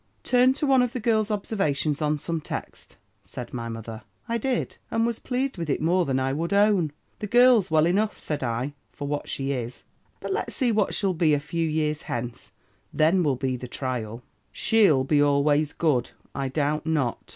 "'Turn to one of the girl's observations on some text,' said my mother. "I did; and was pleased with it more than I would own. 'The girl's well enough,' said I, 'for what she is; but let's see what she'll be a few years hence. Then will be the trial.' "'She'll be always good, I doubt not.'